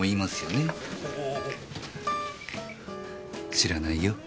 知らないよ。